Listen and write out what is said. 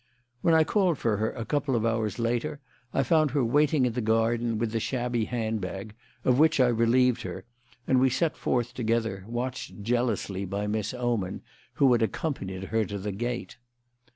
When I called for her a couple of hours later I found her waiting in the garden with the shabby handbag, of which I relieved her, and we set forth together, watched jealously by Miss Oman, who had accompanied her to the gate.